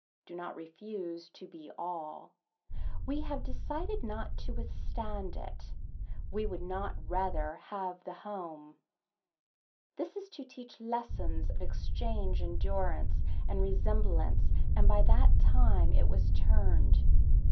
Do not refuse to be all. We have decided not to withstand it. We would not rather have the home. This is to teach lessons of exchange endurance and resemblance and by that time it was turned.